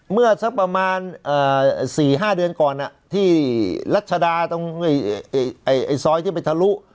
เมื่อซักประมานอ่าสี่ห้าเดือนก่อนน่ะที่รัชดาตรงไอ้ไอ้ซอยที่ไปทะลุ